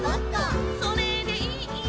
「それでいい」